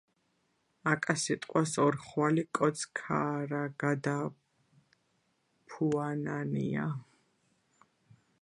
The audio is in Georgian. აკა სიტყვას ორხვალი კოც ქაარაგადაფუანანია